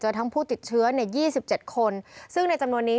เจอทั้งผู้ติดเชื้อใน๒๗คนซึ่งในจำนวนนี้